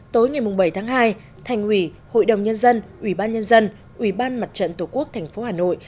tối ngày bảy tháng hai thành ủy hội đồng nhân dân ủy ban nhân dân ủy ban mặt trận tổ quốc tp hà nội